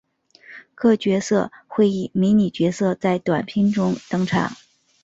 各角色会以迷你角色在短篇中登场。